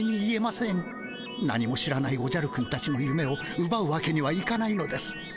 何も知らないおじゃるくんたちのゆめをうばうわけにはいかないのです。